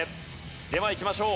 ではいきましょう。